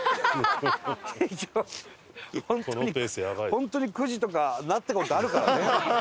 本当に９時とかなった事あるからね。